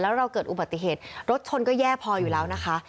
แล้วเราเกิดอุบัติเหตุรถชนก็แย่พออยู่แล้วนะคะ